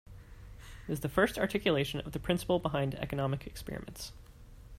It was the first articulation of the principle behind economic experiments.